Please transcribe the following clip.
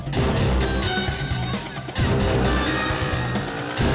kamu balik lagi sih